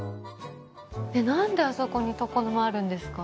なんであそこに床の間あるんですか？